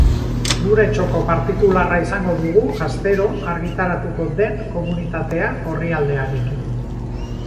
Gure txoko partikularra izango dugu astero argitaratuko den Komunitatea orrialdearekin.